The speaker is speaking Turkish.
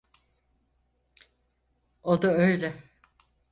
O da öyle.